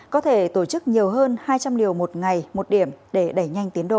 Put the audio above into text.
có thể tổ chức nhiều hơn hai trăm linh liều một ngày một điểm để đẩy nhanh tiến độ